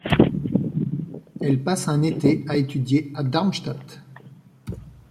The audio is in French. Elle passe un été à étudier à Darmstadt.